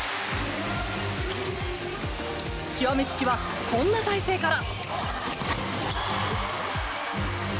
極め付きは、こんな体勢から。